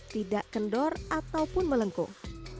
tidak kendor ataupun melengkung